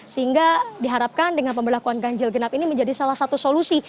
sehingga diharapkan dengan pemberlakuan ganjil genap ini menjadi salah satu solusi